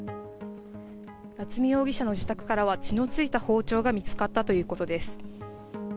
夏見容疑者の自宅からは、血のついた包丁が見つかったということです。